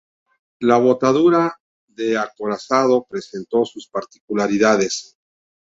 La botadura del acorazado presentó sus particularidades.